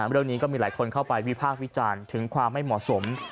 เรื่องนี้ก็มีหลายคนเข้าไปวิพากษ์วิจารณ์ถึงความไม่เหมาะสม